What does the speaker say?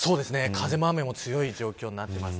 風も雨も強い状況になっています。